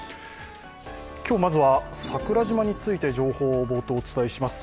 今日、まずは桜島についての情報を冒頭、お伝えします。